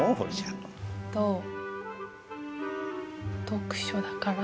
「読書」だから。